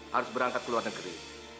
harus berangkat ke luar negeri